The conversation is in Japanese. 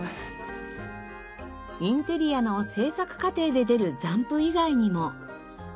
インテリアの制作過程で出る残布以外にも。